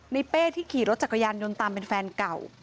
เป้ที่ขี่รถจักรยานยนต์ตามเป็นแฟนเก่า